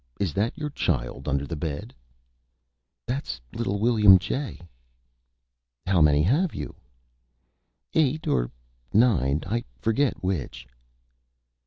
Is that your Child under the Bed?" "That's little William J." "How Many have you?" "Eight or Nine I forget Which."